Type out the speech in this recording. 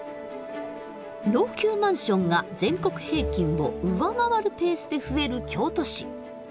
老朽マンションが全国平均を上回るペースで増える京都市。